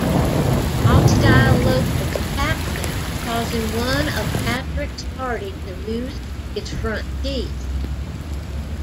Hostile locals attacked them, causing one of Patrick's party to lose his front teeth.